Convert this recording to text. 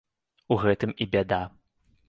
У гэтым і бяда!